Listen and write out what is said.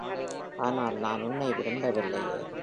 ஆனால் நான் உன்னை விரும்பவில்லையே!